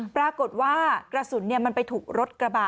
ปรากฏว่ากระสุนมันไปถูกรถกระบะ